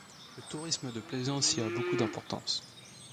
Le tourisme de plaisance y a beaucoup d'importance.